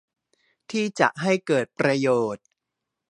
ที่จะให้เกิดประโยชน์